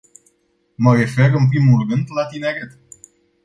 Mă refer, în primul rând, la tineret.